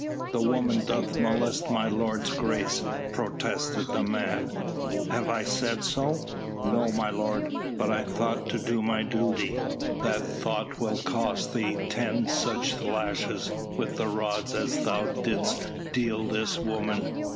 "The woman doth molest my lord's grace," protested the man. "Have I said so?" "No, my lord but I thought to do my duty " "That thought will cost thee ten such lashes with the rods as thou didst deal this woman.